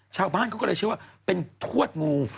ชาวบ้านเขาก็เลยเชื่อว่าเป็นทวดงู